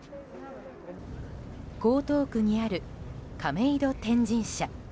江東区にある亀戸天神社。